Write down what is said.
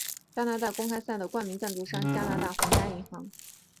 加拿大公开赛的冠名赞助商是加拿大皇家银行。